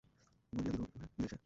মরিয়া দিল এভাবে মিলেছে।